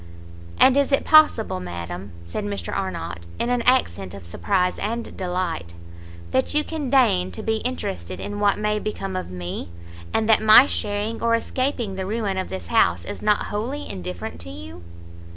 "And is it possible, madam," said Mr Arnott, in an accent of surprize and delight, "that you can deign to be interested in what may become of me! and that my sharing or escaping the ruin of this house is not wholly indifferent to you?"